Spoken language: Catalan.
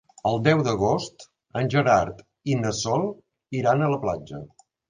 El deu d'agost en Gerard i na Sol iran a la platja.